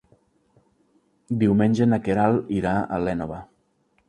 Diumenge na Queralt irà a l'Énova.